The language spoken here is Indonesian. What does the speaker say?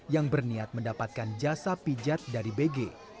yang berniat mendapatkan jasa pijat dari bg